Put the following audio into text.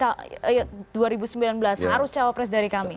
harus cawapres dari kami